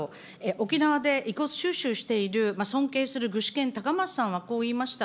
沖縄で遺骨収集している尊敬するぐしけんたかまささんはこう言いました。